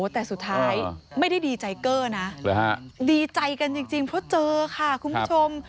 แต่สุดท้ายไม่ได้ดีใจเกอร์นะดีใจกันจริงเพราะเจอค่ะคุณผู้ชม